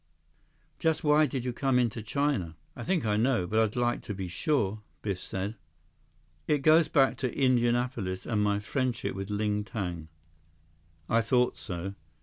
"Just why did you come into China? I think I know, but I'd like to be sure," Biff said. "It goes back to Indianapolis and to my friendship with Ling Tang." "I thought so."